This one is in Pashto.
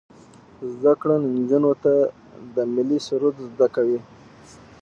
زده کړه نجونو ته د ملي سرود زده کوي.